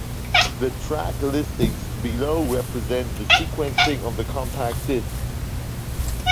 The track listings below represent the sequencing on the compact discs.